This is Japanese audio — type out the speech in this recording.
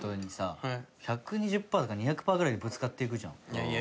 いやいや。